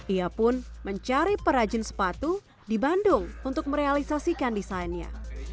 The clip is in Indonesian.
ia pun mencari perajin sepatu di bandung untuk merealisasikan desainnya